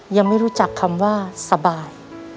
ยังไม่รู้จักคำว่าสบาย